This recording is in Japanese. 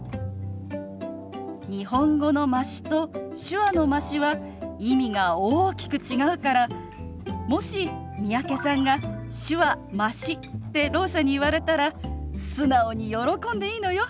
日本語の「まし」と手話の「まし」は意味が大きく違うからもし三宅さんが「手話まし」ってろう者に言われたら素直に喜んでいいのよ。